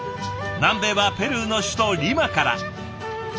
南米はペルーの首都リマから。